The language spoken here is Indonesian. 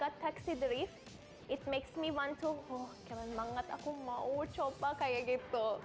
and then that i got taxi drift it makes me want to oh keren banget aku mau coba kayak gitu